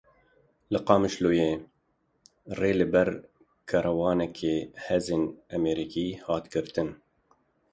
Li Qamişloyê rê li ber karwanekî hêzên Amerîkî hat girtin.